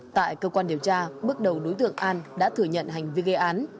tại cơ quan điều tra bước đầu đối tượng an đã thừa nhận hành vi gây án